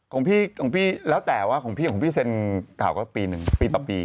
ของพี่ของพี่แล้วแต่ว่าของพี่ของพี่เซ็นเก่าก็ปีหนึ่งปีต่อปี